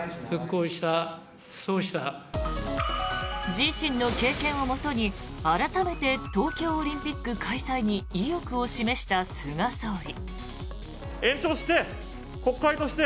自身の経験をもとに改めて東京オリンピック開催に意欲を示した菅総理。